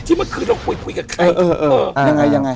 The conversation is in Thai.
ที่เมื่อคืนเราคุยกับเขา